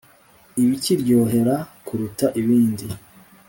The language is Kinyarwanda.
ibikiryohera kuruta ibindi.